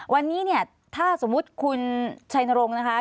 วันนี้เนี่ยถ้าสมมุติคุณชัยนรงค์นะคะ